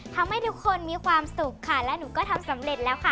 ทำให้ทุกคนมีความสุขค่ะและหนูก็ทำสำเร็จแล้วค่ะ